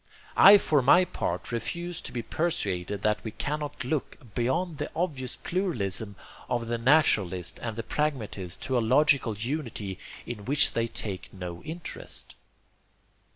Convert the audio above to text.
I for my part refuse to be persuaded that we cannot look beyond the obvious pluralism of the naturalist and the pragmatist to a logical unity in which they take no interest."